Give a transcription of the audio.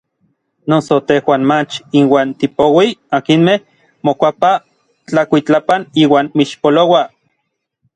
Noso tejuan mach inuan tipouij akinmej mokuapaj tlakuitlapan iuan mixpolouaj.